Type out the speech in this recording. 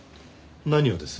何をです？